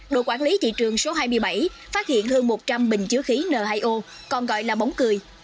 đội quản lý thị trường số hai mươi bảy phát hiện hơn một trăm linh bình chứa khí n hai o còn gọi là bóng cười